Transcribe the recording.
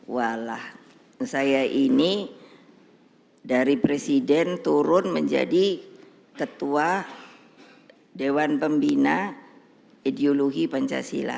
walah saya ini dari presiden turun menjadi ketua dewan pembina ideologi pancasila